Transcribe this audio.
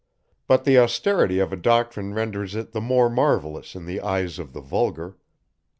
But the austerity of a doctrine renders it the more marvellous in the eyes of the vulgar.